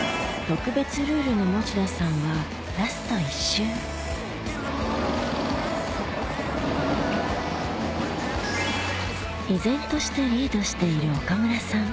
特別ルールの持田さんはラスト１周依然としてリードしている岡村さん